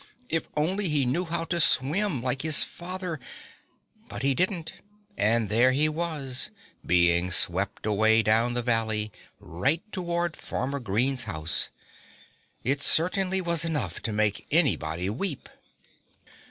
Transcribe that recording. If only he knew how to swim, like his father! But he didn't; and there he was, being swept away down the valley, right toward Farmer Green's house. It certainly was enough to make anybody weep.